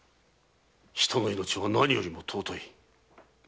人の命は何よりも尊い。